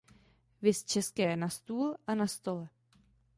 Viz české "na stůl" a "na stole".